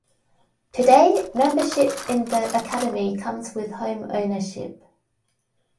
Today, membership in the Academy comes with home ownership.